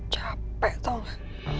capek tau gak